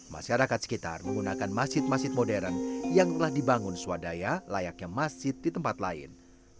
masyarakat sekitar menggunakan masjid masjid modern yang telah dibangun swadaya layaknya masjid di tempat lain